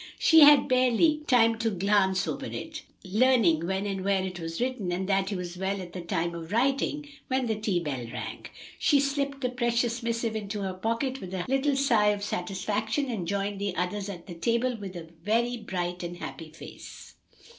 She had barely time to glance over it, learning when and where it was written, and that he was well at the time of writing, when the tea bell rang. She slipped the precious missive into her pocket with a little sigh of satisfaction, and joined the others at the table with a very bright and happy face.